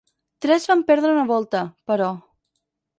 Tres van perdre una volta, però.